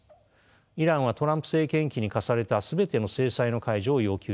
イランはトランプ政権期に科された全ての制裁の解除を要求しています。